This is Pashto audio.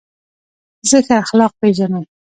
زه ښه اخلاق پېژنم.